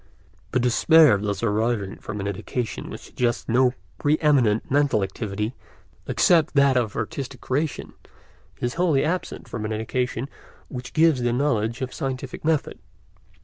The despair thus arising from an education which suggests no pre eminent mental activity except that of artistic creation is wholly absent from an education which gives the knowledge of scientific method.